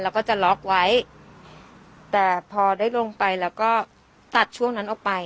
แล้วก็จะล็อกไว้แต่พอได้ลงไปแล้วก็ตัดช่วงนั้นออกไป